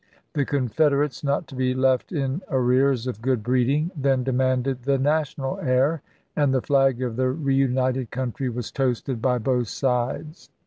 The Con federates, not to be left in arrears of good breeding, then demanded the national air, and the flag of the reunited country was toasted by both sides.